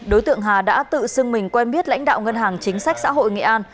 đối tượng hà đã tự xưng mình quen biết lãnh đạo ngân hàng chính sách xã hội nghệ an